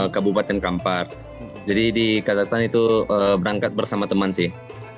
ke bupaten kampar jadi di kazahstan itu berangkat bersama teman sih